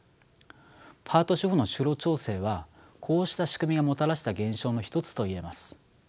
パート主婦の就労調整はこうした仕組みがもたらした現象の一つと言えます。